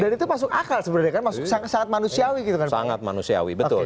dan itu masuk akal sebenarnya kan sangat manusiawi gitu kan pak sangat manusiawi betul